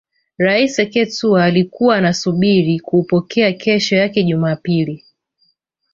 Rais sekou Toure alikuwa anasubiri kuupokea kesho yake Jumapili